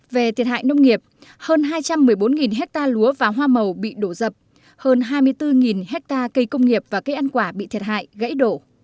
về thiệt hại nông nghiệp hơn hai trăm một mươi bốn hectare lúa và hoa màu bị đổ dập hơn hai mươi bốn hectare cây công nghiệp và cây ăn quả bị thiệt hại gãy đổ